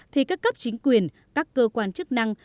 thì các cấp chính quyền các cơ quan chức năng